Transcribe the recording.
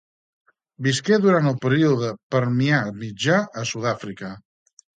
Visqué durant el període Permià mitjà a Sud-àfrica.